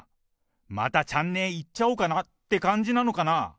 また、ちゃんねえいっちゃおうかなって感じなのかな。